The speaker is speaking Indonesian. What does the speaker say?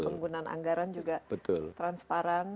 dan penggunaan anggaran juga transparan